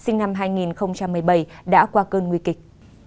sinh năm hai nghìn một mươi bảy đã qua cơn nguy kịch